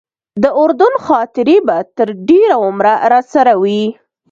د اردن خاطرې به تر ډېره عمره راسره وي.